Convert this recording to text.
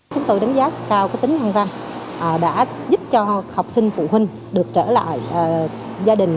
chúng tôi đánh giá cao tính nhân văn đã giúp cho học sinh phụ huynh được trở lại gia đình